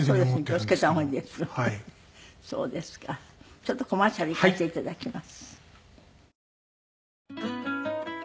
ちょっとコマーシャルいかせていただきます。